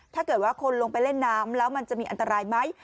ถ้าเกิดว่าคนลงไปเล่นน้ำแล้วมันจะมีอันตรายไหม